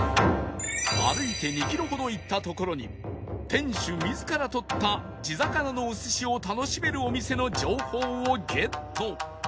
歩いて２キロほど行った所に店主自ら取った地魚のお寿司を楽しめるお店の情報をゲット